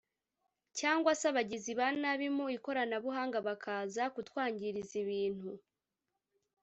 cyangwa se abagizi ba nabi mu ikoranabuhanga bakaza kutwangiriza ibintu